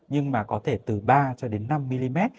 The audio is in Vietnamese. nhưng mà có thể từ ba cho đến năm mm